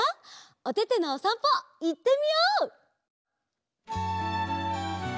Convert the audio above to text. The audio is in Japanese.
おててのおさんぽいってみよう！